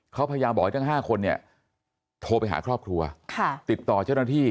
เขาพยายามบอกให้ทั้ง๕คนเนี่ยโทรไปหาครอบครัวติดต่อเจ้าหน้าที่